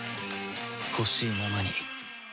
ほしいままに